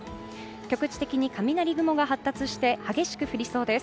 局地的に雷雲が発達して激しく降りそうです。